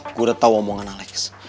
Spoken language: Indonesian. aku sudah tahu apa yang dikatakan alex